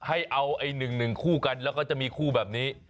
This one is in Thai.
ให้เอาไอ้๑๑คู่กันแล้วก็จะมีคู่แบบนี้